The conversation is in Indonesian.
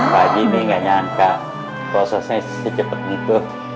pak haji ini gak nyangka prosesnya secepet gitu